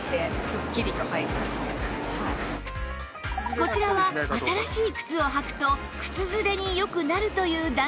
こちらは新しい靴を履くと靴ずれによくなるという男性